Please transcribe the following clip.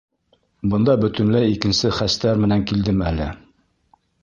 Бында бөтөнләй икенсе хәстәр менән килдем әле.